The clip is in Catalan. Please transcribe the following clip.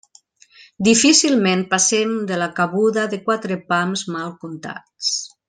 Difícilment passen de la cabuda de quatre pams mal comptats.